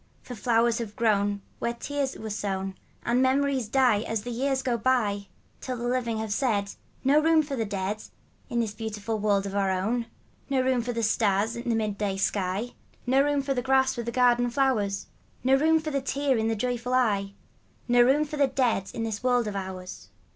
For flowers have grown Where tears were sown, And memories die As the years go by. Till the living have said, " No room for the dead In this beautiful world of our own ; No room for the stars in a mid day sky, No room for the grass with the garden flowers ; No room for the tears in a joyful eye, No room for the dead in this world of ours."